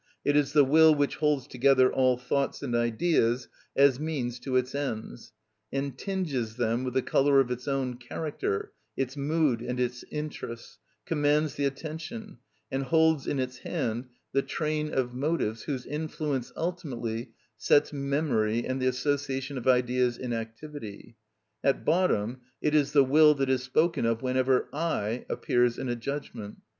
It is the will which holds together all thoughts and ideas as means to its ends, and tinges them with the colour of its own character, its mood, and its interests, commands the attention, and holds in its hand the train of motives whose influence ultimately sets memory and the association of ideas in activity; at bottom it is the will that is spoken of whenever "I" appears in a judgment.